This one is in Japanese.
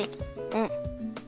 うん。